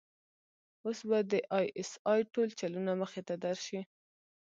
اوس به د آى اس آى ټول چلونه مخې ته درشي.